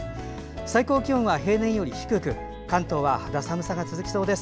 最高気温は平年より低く関東は肌寒さが続きそうです。